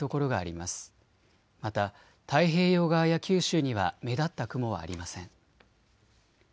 また太平洋側や九州には目立った雲はありません。